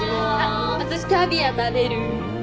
私キャビア食べる。